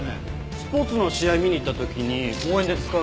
スポーツの試合見に行った時に応援で使うグッズ。